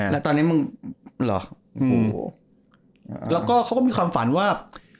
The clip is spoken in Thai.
แล้วตอนนี้มึงเหรอแล้วก็เขาก็มีความฝันว่า